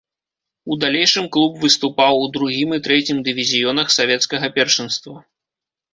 У далейшым клуб выступаў у другім і трэцім дывізіёнах савецкага першынства.